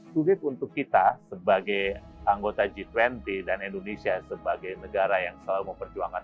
sulit untuk kita sebagai anggota g dua puluh dan indonesia sebagai negara yang selalu memperjuangkan